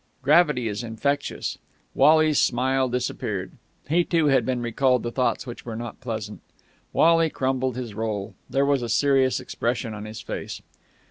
Gravity is infectious. Wally's smile disappeared. He, too, had been recalled to thoughts which were not pleasant. Wally crumbled his roll. There was a serious expression on his face.